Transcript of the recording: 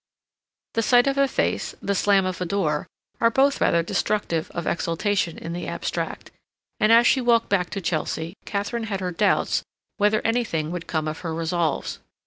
The sight of a face, the slam of a door, are both rather destructive of exaltation in the abstract; and, as she walked back to Chelsea, Katharine had her doubts whether anything would come of her resolves.